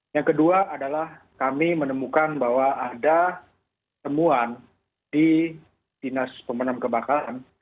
yang kedua adalah kami menemukan bahwa ada temuan di dinas pemenang kebakaran